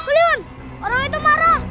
kulion orang itu marah